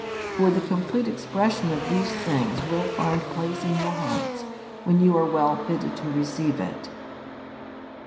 For the complete expression of these things will find place in your hearts when you are well fitted to receive it.